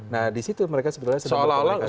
nah di situ mereka sebenarnya sudah berkomunikasi